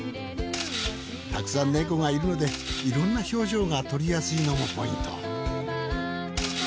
たくさんネコがいるのでいろんな表情が撮りやすいのもポイント。